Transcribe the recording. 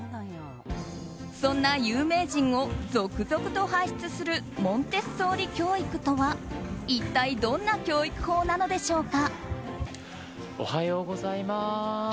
そんな有名人を続々と輩出するモンテッソーリ教育とは一体どんな教育法なのでしょうか。